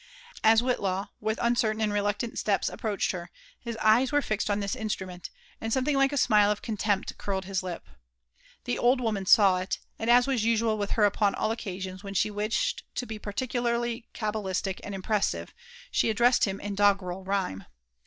As Whrtlaw with ancertain and reluctant steps approached her, hii eyes were fixed on this instrument, and something Hke a smile of con«» tempt ettrled his lip. The old woman saw it, and, as was usoal with her upon all occasions when she wished to be parlicutarly cabalistie ittipfeinTe, she addressed him in doggrel rh^fine.